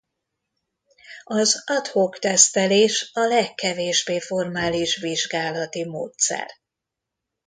Az ad hoc tesztelés a legkevésbé formális vizsgálati módszer.